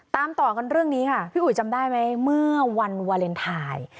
ตามต่อกันเรื่องนี้ค่ะพี่อุ๋ยจำได้ไหมเมื่อวันวาเลนไทย